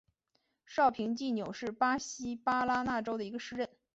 绍平济纽是巴西巴拉那州的一个市镇。